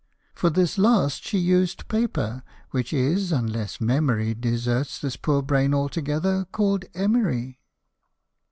(For this last she used paper, which is, unless memory Deserts this poor brain altogether, called Emery.)